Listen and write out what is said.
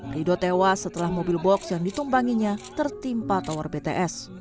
rido tewas setelah mobil box yang ditumpanginya tertimpa tower bts